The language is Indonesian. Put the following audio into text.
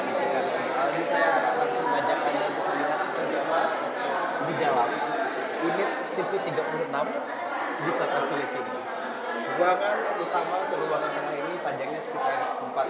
ruangan utama perubahan tanah ini panjangnya sekitar empat meter